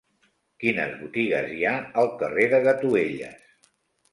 Quines botigues hi ha al carrer de Gatuelles?